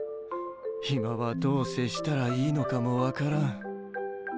今はどう接したらいいのかも分からん。